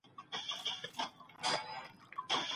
لور هیڅکله د مور خبره نه ده ماته کړې.